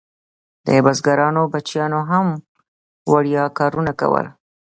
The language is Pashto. د بزګرانو بچیانو هم وړیا کارونه کول.